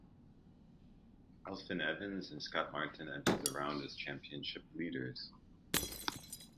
Elfyn Evans and Scott Martin entered the round as championships leaders.